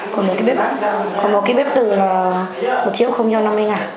còn một cái bếp tử là